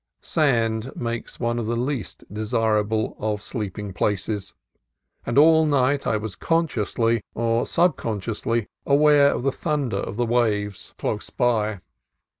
Sand makes one of the least desirable of sleep ing places, and all night I was consciously or sub consciously aware of the thunder of the waves close 66 CALIFORNIA COAST TRAILS by.